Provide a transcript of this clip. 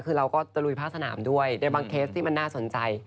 คือเราก็ตะลุยผ้าสนามด้วยในบางเคสที่มันน่าสนใจ